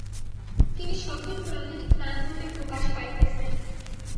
তিনি সকল প্রাণীর প্রাণরূপে প্রকাশ পাইতেছেন।